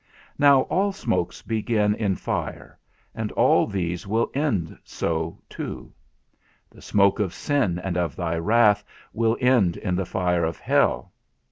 Now all smokes begin in fire, and all these will end so too: the smoke of sin and of thy wrath will end in the fire of hell.